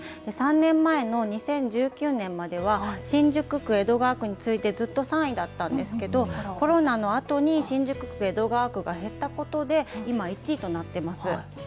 ３年前の２０１９年までは、新宿区、江戸川区に次いで、ずっと３位だったんですけど、コロナのあとに新宿区、江戸川区が減ったことで、今、１位となってます。